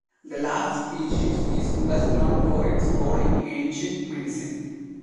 The last species is best known for its role in ancient medicine.